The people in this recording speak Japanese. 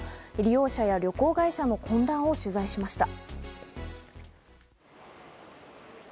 業者や旅行会社の混乱を取材しました。